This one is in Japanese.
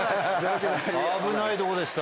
危ないとこでした。